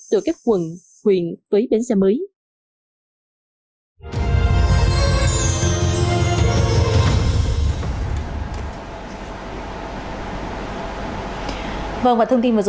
từ các quận huyện tới bến xe mới